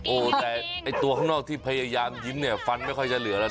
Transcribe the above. โอ้โหแต่ไอ้ตัวข้างนอกที่พยายามยิ้มเนี่ยฟันไม่ค่อยจะเหลือแล้วนะ